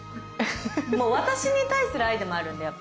もう私に対する愛でもあるんでやっぱ。